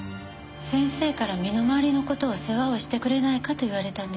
先生から身の回りの事を世話をしてくれないかと言われたんです。